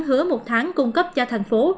hứa một tháng cung cấp cho thành phố